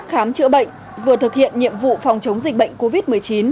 khám chữa bệnh vừa thực hiện nhiệm vụ phòng chống dịch bệnh covid một mươi chín